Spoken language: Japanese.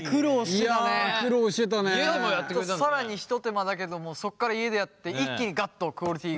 ちょっと更に一手間だけどもそこから家でやって一気にガッとクオリティーが。